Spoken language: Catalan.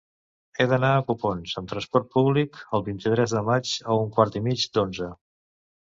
He d'anar a Copons amb trasport públic el vint-i-tres de maig a un quart i mig d'onze.